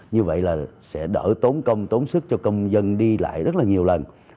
như vậy là sẽ đỡ tốn công tốn sức cho công dân đi lại rất là nhiều lần